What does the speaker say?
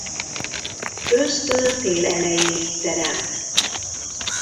Ősztől tél elejéig terem.